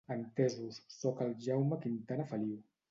Entesos, soc el Jaume Quintana Feliu.